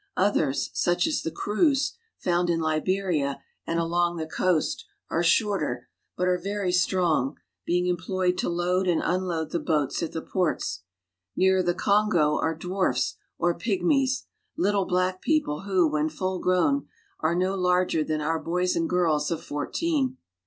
Others, such as the Kroos (kroOs), found in Liberia and along the coast, are shorter, ^^^ but are very strong, being employed to load and unload ^^L the boats at the ports. Nearer the Kongo are dwarfs or ^^H^pygmies, little black people who, when full grown, are no ^^H|jarger than our boys and girls of fourteen.